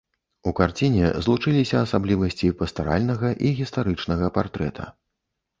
У карціне злучыліся асаблівасці пастаральнага і гістарычнага партрэта.